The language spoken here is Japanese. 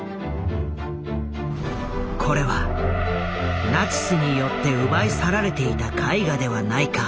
これはナチスによって奪い去られていた絵画ではないか？